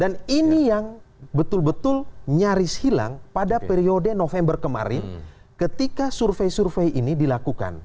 dan ini yang betul betul nyaris hilang pada periode november kemarin ketika survei survei ini dilakukan